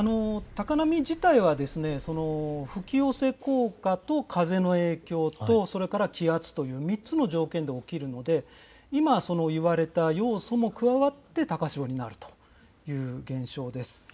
高波自体は、吹き寄せ効果と風の影響と、それから気圧という３つの条件で起きるので、今、言われた要素も加わって高潮になるという現象です。